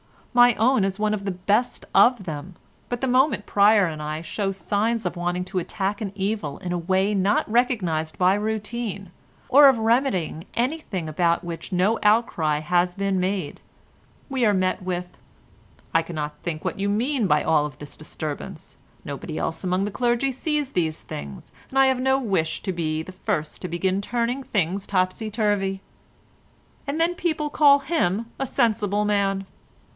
My own is one of the best of them, but the moment Pryer and I show signs of wanting to attack an evil in a way not recognised by routine, or of remedying anything about which no outcry has been made, we are met with, 'I cannot think what you mean by all this disturbance; nobody else among the clergy sees these things, and I have no wish to be the first to begin turning everything topsy turvy.' And then people call him a sensible man.